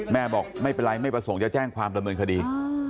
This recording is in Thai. บอกไม่เป็นไรไม่ประสงค์จะแจ้งความดำเนินคดี